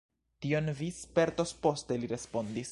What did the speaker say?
Tion vi spertos poste, li respondis.